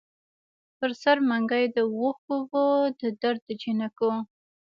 پر سر منګي د اوښکـــــو وو د درد دجینکــــو